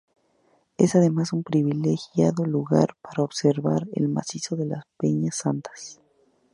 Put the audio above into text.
Es además un privilegiado lugar para observar el macizo de las Peñas Santas.